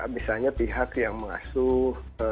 misalnya pihak yang mengasuh